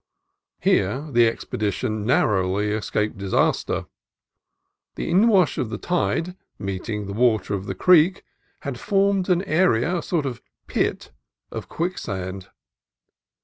Here the expedition narrowly escaped disaster. The inwash of the tide, meeting the water of the creek, had formed an area, a sort of pit, of quick sand.